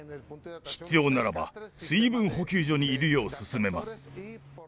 必要ならば水分補給所にいるよう勧めます。